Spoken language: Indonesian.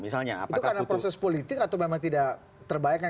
itu karena proses politik atau memang tidak terbayangkan